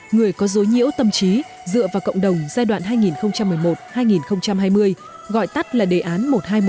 người có dối nhiễu tâm trí dựa vào cộng đồng giai đoạn hai nghìn một mươi một hai nghìn hai mươi gọi tắt là đề án một nghìn hai trăm một mươi năm